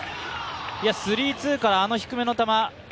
スリーツーからあの低めの球。